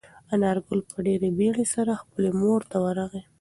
انارګل په ډېرې بیړې سره خپلې مور ته ورغی.